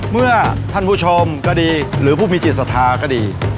เมื่อท่านผู้ชมก็ดีหรือผู้มีจิตศรัทธาก็ดี